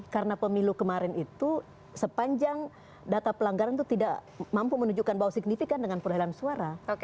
karena pemilu kemarin itu sepanjang data pelanggaran itu tidak mampu menunjukkan bau signifikan dengan perlahan suara